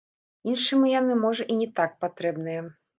Іншаму яны, можа, і не так патрэбныя.